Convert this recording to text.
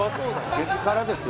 激辛ですよ。